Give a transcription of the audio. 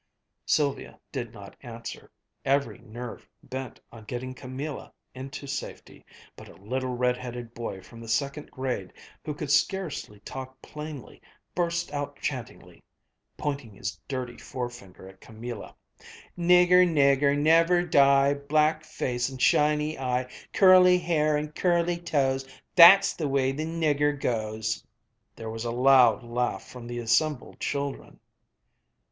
Sylvia did not answer, every nerve bent on getting Camilla into safety, but a little red headed boy from the second grade, who could scarcely talk plainly, burst out chantingly, pointing his dirty forefinger at Camilla: "Nigger, nigger, never die, Black face and shiny eye, Curly hair and curly toes That's the way the nigger goes!" There was a loud laugh from the assembled children.